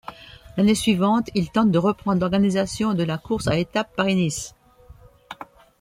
L'année suivante, il tente de reprendre l'organisation de la course à étapes Paris-Nice.